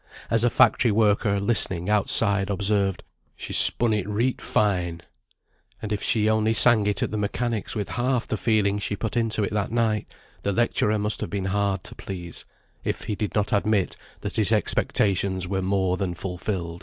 As a factory worker, listening outside, observed, "She spun it reet fine!" And if she only sang it at the Mechanics' with half the feeling she put into it that night, the lecturer must have been hard to please, if he did not admit that his expectations were more than fulfilled.